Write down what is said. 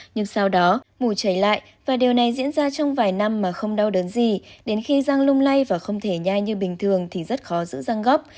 nhưng sau đó mùi chảy lại và điều này diễn ra trong vài năm mà không đau đớn gì đến khi răng lung lay và không thể nhai như bình thường thì rất khó giữ răng gốc